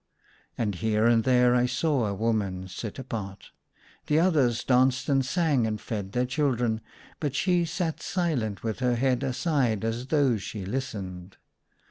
And here and there I saw a woman sit apart. The others danced and sang and fed their children, but she sat silent with her head aside as though she listened.